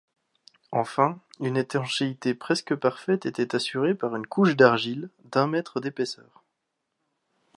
Enfin, une étanchéité presque parfaite était assurée par une couche d'argile, d'un mètre d'épaisseur.